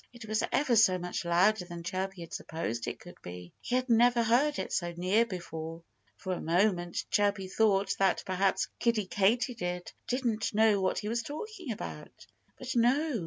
It was ever so much louder than Chirpy had supposed it could be. He had never heard it so near before. For a moment Chirpy thought that perhaps Kiddie Katydid didn't know what he was talking about. But no!